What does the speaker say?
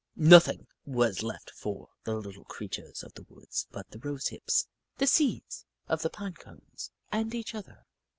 Nothing was left for the little crea tures of the woods but the rose hips, the seeds Hoot Mon 211 of the pine cones, and each other.